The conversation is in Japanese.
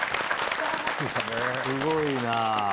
すごいなぁ。